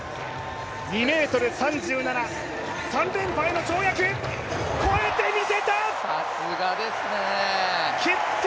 ２ｍ３７、３連覇への跳躍、越えてみせた決定